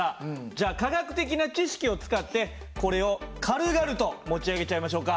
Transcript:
じゃあ科学的な知識を使ってこれを軽々と持ち上げちゃいましょうか。